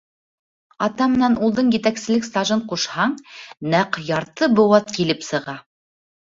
Ата менән улдың етәкселек стажын ҡушһаң, нәҡ ярты быуат килеп сыға.